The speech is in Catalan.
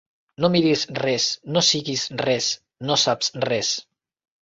No miris res, no siguis res, no saps res.